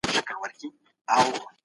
ښه ليکوال ټولنه ويښوي.